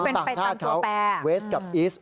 ต่างชาติเขาเวสกับอีส